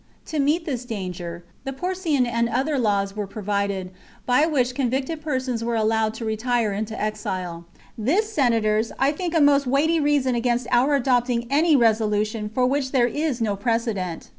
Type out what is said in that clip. To meet this danger, the Porcian and other laws were provided, by which convicted persons were allowed to retire into exile. This, Senators, I think a most THE CONSPIRACY OF CATILINE. 49 weighty reason against our adopting any resolution ^'^^^• for which there is no precedent.